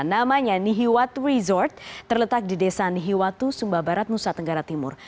namanya nihiwatu resort terletak di desa nihiwatu sumba barat nusa tenggara timur